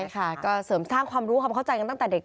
ใช่ค่ะก็เสริมสร้างความรู้ความเข้าใจกันตั้งแต่เด็ก